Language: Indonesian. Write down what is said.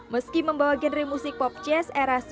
meski membawa genre musik pop jazz era sembilan puluh s